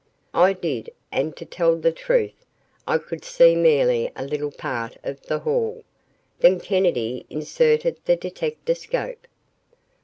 I did and to tell the truth I could see merely a little part of the hall. Then Kennedy inserted the detectascope.